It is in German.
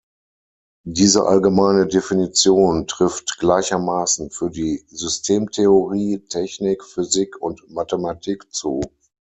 Diese allgemeine Definition trifft gleichermaßen für die Systemtheorie, Technik, Physik und Mathematik zu.